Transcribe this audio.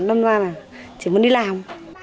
nên ra là chỉ muốn đi làm